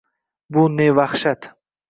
Bu ne vahshat!